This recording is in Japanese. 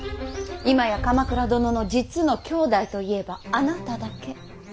今や鎌倉殿の実の兄弟といえばあなただけ。